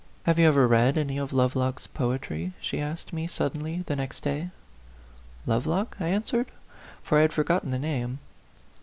" Have you ever read any of Lovelock's poe try ?" she asked me suddenly, the next day. "Lovelock?" I answered, for I had forgot ten the name.